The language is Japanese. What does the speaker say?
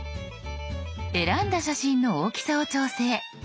選んだ写真の大きさを調整。